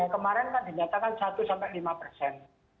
kemarin kan dinyatakan satu lima persen